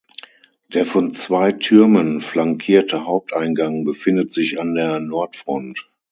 Der von zwei Türmen flankierte Haupteingang befindet sich an der Nordfront.